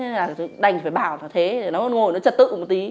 để nó ngồi nó trật tự một tí